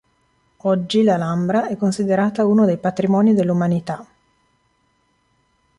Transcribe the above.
Oggi l'Alhambra è considerata uno dei Patrimoni dell'Umanità.